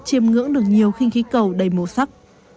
chiêm ngưỡng được nhiều khinh khí cầu đầy màu sắc